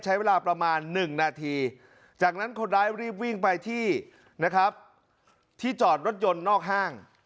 ใช้เวลาประมาณ๑นาทีจากนั้นคนร้ายรีบวิ่งไปที่นะครับที่จอดรถยนต์นอกห้าง